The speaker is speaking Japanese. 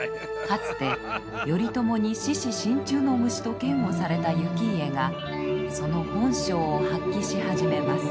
かつて頼朝に「獅子身中の虫」と嫌悪された行家がその本性を発揮し始めます。